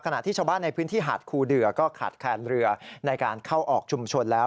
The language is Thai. ขณะที่ชาวบ้านในพื้นที่หาดคูเดือก็ขาดแคลนเรือในการเข้าออกชุมชนแล้ว